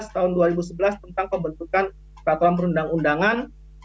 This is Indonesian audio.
tahun dua ribu sebelas tentang pembentukan peraturan perundang undangan